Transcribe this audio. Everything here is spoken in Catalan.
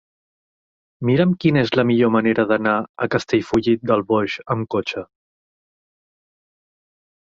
Mira'm quina és la millor manera d'anar a Castellfollit del Boix amb cotxe.